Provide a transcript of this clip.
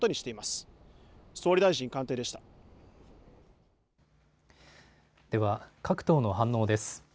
では各党の反応です。